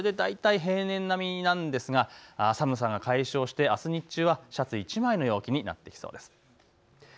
これで大体平年並みなんですが、寒さが解消してあす日中はシャツ１枚の陽気になってきそうです。